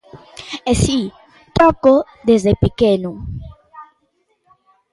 E si, toco desde pequeno.